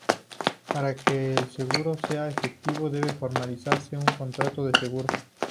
Para que el seguro sea efectivo debe formalizarse un contrato de seguro.